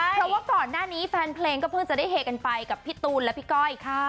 เพราะว่าก่อนหน้านี้แฟนเพลงก็เพิ่งจะได้เฮกันไปกับพี่ตูนและพี่ก้อยค่ะ